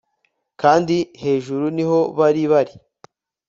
kandi hejuru niho bari bari